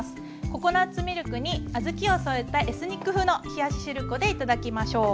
ココナツミルクに小豆を添えたエスニック風の冷やししるこで頂きましょう。